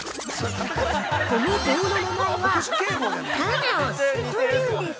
この棒の名前はＴａｎａＯＳというんです。